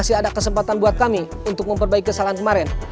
masih ada kesempatan buat kami untuk memperbaiki kesalahan kemarin